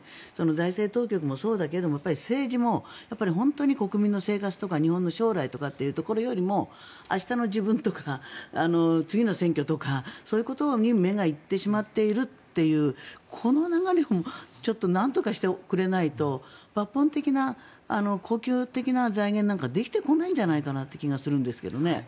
財政当局もそうだけど政治も本当に国の生活とか日本の将来とかというところより明日の自分とか次の選挙とかそういうことに目が行ってしまっているというこの流れをちょっとなんとかしてくれないと抜本的な恒久的な財源なんかできてこないんじゃないかなという気がするんですけどね。